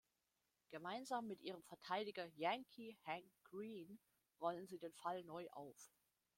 Gemeinsam mit ihrem Verteidiger „Yankee“ Hank Greene rollen sie den Fall neu auf.